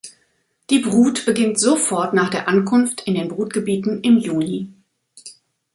Die Brut beginnt sofort nach der Ankunft in den Brutgebieten im Juni.